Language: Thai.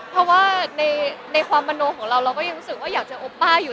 เพราะว่าในความมโนของเราเราก็ยังรู้สึกว่าอยากจะโอป้าอยู่